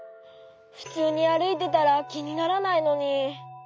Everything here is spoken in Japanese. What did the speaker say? ふつうにあるいてたらきにならないのに。